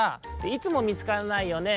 「いつもみつかんないよね」。